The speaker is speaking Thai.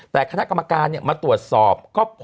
แต่คณะกรรมการมาตรวจสอบก็พบ